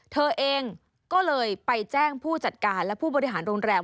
เธอเองก็เลยไปแจ้งผู้จัดการและผู้บริหารโรงแรม